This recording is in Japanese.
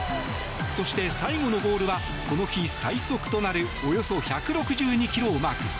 そして、最後のボールはこの日、最速となるおよそ１６２ｋｍをマーク。